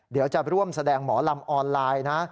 เดี๋ยวจะร่วมแสดงหมอลำออนไลน์นะ